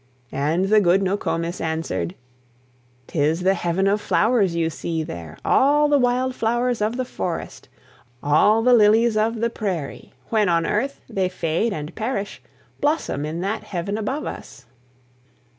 And the good Nokomis answered: "Tis the heaven of flowers you see there; All the wild flowers of the forest, All the lilies of the prairie, When on earth they fade and perish, Blossom in that heaven above us."